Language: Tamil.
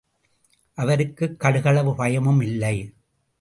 அவருக்குக் கடுகளவு பயமுமில்லை.